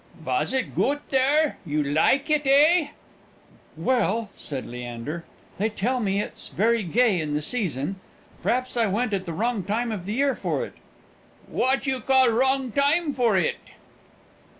"Was it goot there you laike it, eh?" "Well," said Leander, "they tell me it's very gay in the season. P'rhaps I went at the wrong time of the year for it." "What you call wrong time for it?"